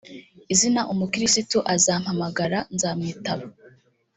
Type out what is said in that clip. Izina umukirisitu azampamagara nzamwitaba